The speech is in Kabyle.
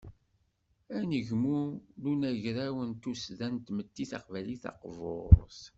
Anegmu n unagraw n tuddsa n tmetti taqbaylit taqburt.